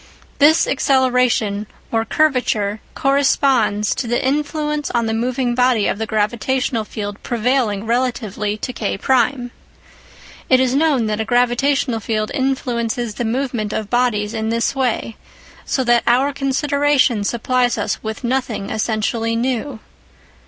This acceleration or curvature corresponds to the influence on the moving body of the gravitational field prevailing relatively to K. It is known that a gravitational field influences the movement of bodies in this way, so that our consideration supplies us with nothing essentially new.